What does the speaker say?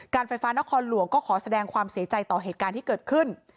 ไฟฟ้านครหลวงก็ขอแสดงความเสียใจต่อเหตุการณ์ที่เกิดขึ้น